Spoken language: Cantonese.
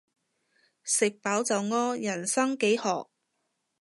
食飽就屙，人生幾何